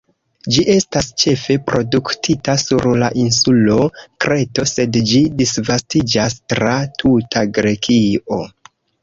Ĝi estas ĉefe produktita sur la insulo Kreto, sed ĝi disvastiĝas tra tuta Grekio.